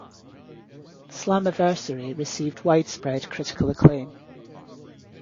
Slammiversary received widespread critical acclaim.